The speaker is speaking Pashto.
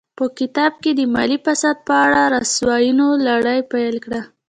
په کتاب کې د مالي فساد په اړه رسواینو لړۍ پیل کړه.